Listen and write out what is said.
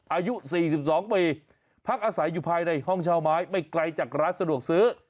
อายุ๔๒ปีพักอาศัยอยู่ภายในห้องเช่าไม้ไม่ไกลจากร้านสะดวกซื้อ